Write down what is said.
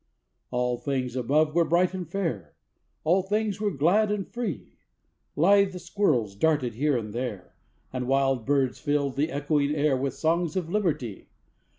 All things above were bright and fair, All things were glad and free; Lithe squirrels darted here and there, And wild birds filled the echoing air With songs of Liberty!